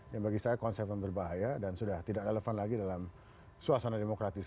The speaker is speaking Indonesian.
yang bagi saya konsep yang berbahaya dan sudah tidak relevan lagi dalam suasana demokratis